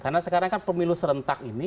karena sekarang kan pemilu serentak ini